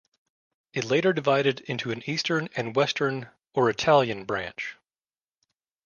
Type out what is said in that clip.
It later divided into an Eastern and a Western, or Italian, branch.